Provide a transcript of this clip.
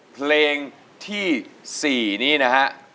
เพลงที่๔นี้นะฮะ